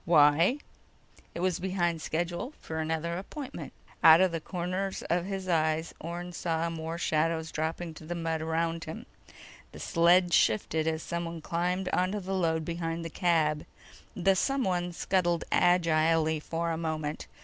"Why?" "It was behind schedule for another appointment." Out of the corners of his eyes, Orne saw more shadows dropping to the mud around him. The sled shifted as someone climbed onto the load behind the cab. The someone scuttled agilely for a moment.